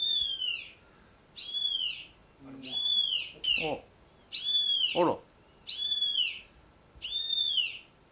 あっあら。